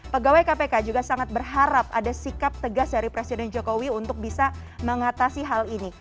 pegawai kpk juga sangat berharap ada sikap tegas dari presiden jokowi untuk bisa mengatasi hal ini